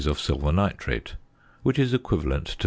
of silver nitrate, which is equivalent to 0.